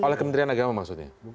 oleh kementerian agama maksudnya